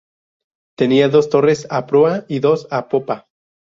Tenían dos torres a proa y dos a popa.